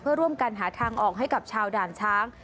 เพื่อร่วมกันหาทางออกให้กับชาวด่านช้าง